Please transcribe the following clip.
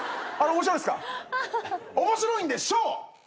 面白いんでしょう！